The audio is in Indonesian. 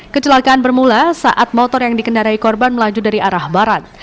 kecelakaan bermula saat motor yang dikendarai korban melaju dari arah barat